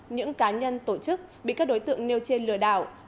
những cá nhân tổ chức bị các đối tượng nêu trên lừa đảo